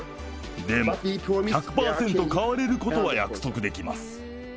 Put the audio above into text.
でも、１００％変われることは約束できます。